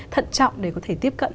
thận trọng để có thể tiếp cận